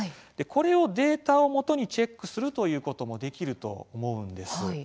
これを、データを基にチェックするということもできると思うんです。